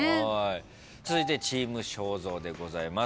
続いてチーム正蔵でございます。